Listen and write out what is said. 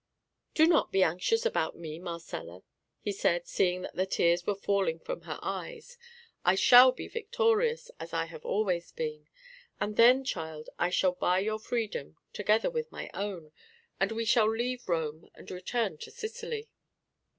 "Do not be anxious about me, Marcella," he said, seeing that the tears were falling from her eyes. "I shall be victorious, as I have always been, and then, child, I shall buy your freedom, together with my own, and we shall leave Rome, and return to Sicily."